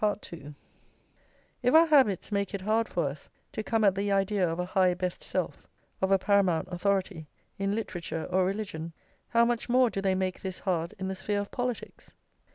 If our habits make it hard for us to come at the idea of a high best self, of a paramount authority, in literature or religion, how much more do they make this hard in the sphere of politics!